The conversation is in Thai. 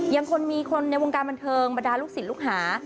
ยังคงมีคนในวงการบันเทิงบรรดาลูกศิษย์ลูกหา